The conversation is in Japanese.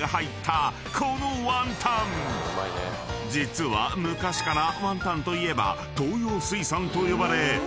［実は昔からワンタンといえば東洋水産と呼ばれ］